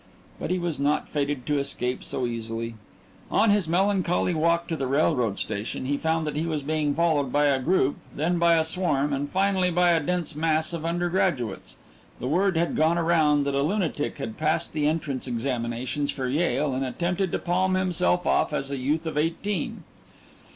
But he was not fated to escape so easily. On his melancholy walk to the railroad station he found that he was being followed by a group, then by a swarm, and finally by a dense mass of undergraduates. The word had gone around that a lunatic had passed the entrance examinations for Yale and attempted to palm himself off as a youth of eighteen.